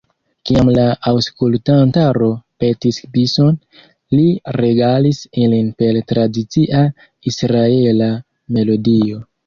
Kiam la aŭskultantaro petis bison, li regalis ilin per tradicia israela melodio.